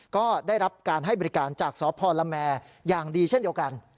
ก็ได้รับการให้บริการจากสพละแมอย่างดีเช่นเดียวกัน